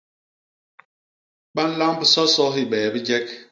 Ba nlamb soso hibee bijek.